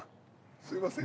すみません。